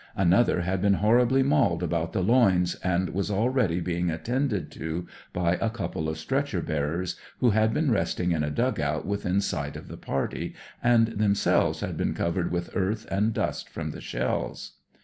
Another had been terribly mauled about the loins, and was already being attended to by a couple of stretcher bearers who had been resting in a dug out within sight of the party, and themselves had been covered with earth and dust from the shells.